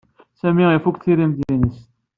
Sami ifuk tiremt-nnes.